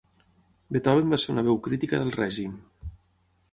Beethoven va ser una veu crítica del règim.